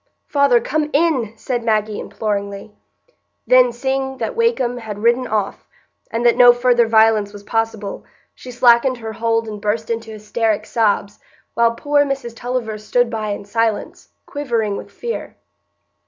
"Father, come in!" said Maggie, imploringly. Then, seeing that Wakem had ridden off, and that no further violence was possible, she slackened her hold and burst into hysteric sobs, while poor Mrs Tulliver stood by in silence, quivering with fear.